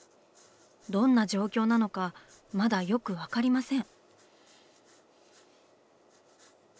どんな状況なのかまだよく分かりません。